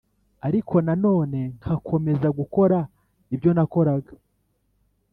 ariko na none nkakomeza gukora ibyo nakoraga